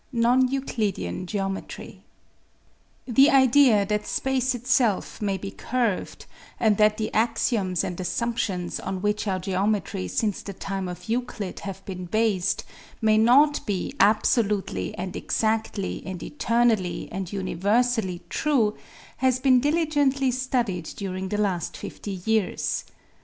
NON EUCLIDEAN GEOMETRY The idea that space itself may be curved and that the axioms and assumptions on which our geometry since the time of Euclid have been based, may not be abso lutely and exactly and eternally and universally true has been diligently studied during the last fifty years.